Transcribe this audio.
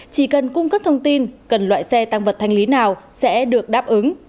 chỉ cần cung cấp thông tin cần loại xe tăng vật thanh lý nào sẽ được đáp ứng